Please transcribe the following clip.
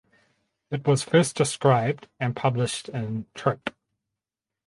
It was first described and published in Trop.